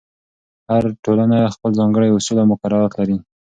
هر ټولنه خپل ځانګړي اصول او مقررات لري.